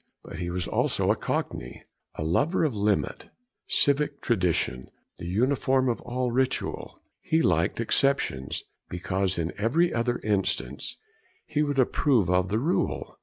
But he was also a Cockney, a lover of limit, civic tradition, the uniform of all ritual. He liked exceptions, because, in every other instance, he would approve of the rule.